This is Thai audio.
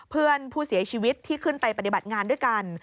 เพื่อนผู้เสียชีวิตที่ขึ้นไปปฏิบัติงานด้วยกัน